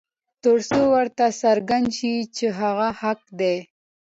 تر څو ورته څرګنده شي چې هغه حق دى.